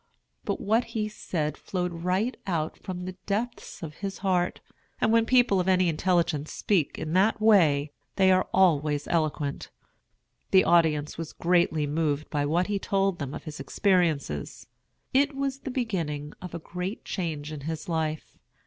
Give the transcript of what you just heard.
But what he said flowed right out from the depths of his heart; and when people of any intelligence speak in that way, they are always eloquent. The audience were greatly moved by what he told them of his experiences. It was the beginning of a great change in his life.